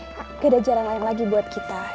tidak ada jalan lain lagi buat kita